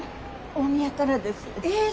大宮からですえっ！？